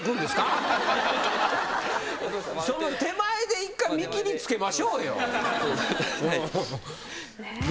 その手前で一回見切りつけましょうよ。